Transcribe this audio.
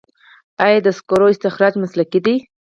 آیا د سکرو استخراج مسلکي دی؟